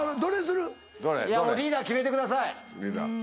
いやもうリーダー決めてください。